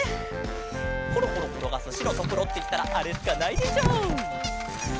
コロコロころがすしろとくろっていったらあれしかないでしょう！